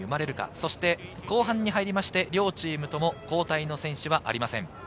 そして後半に入って、両チームとも交代の選手はありません。